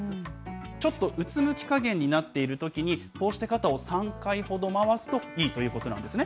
ちょっとうつむきかげんになっているときに、こうして肩を３回ほど回すといいということなんですね。